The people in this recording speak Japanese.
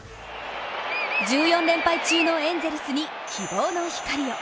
１４連敗中のエンゼルスに希望の光を。